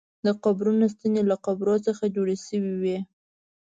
د قبرونو ستنې له ډبرو څخه جوړې شوې وې.